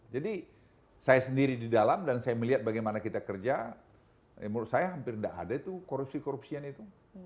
jadi saya sendiri di dalam dan saya melihat bagaimana kita kerja menurut saya hampir tidak ada itu korupsi korupsian itu